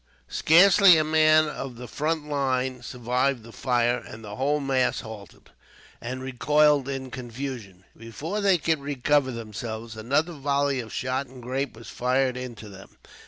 Scarcely a man of the front line survived the fire, and the whole mass halted, and recoiled in confusion. Before they could recover themselves, another volley of shot and grape was fired into them.